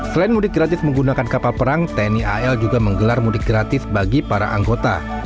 selain mudik gratis menggunakan kapal perang tni al juga menggelar mudik gratis bagi para anggota